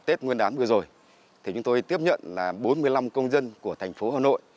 tết nguyên đán vừa rồi thì chúng tôi tiếp nhận là bốn mươi năm công dân của thành phố hà nội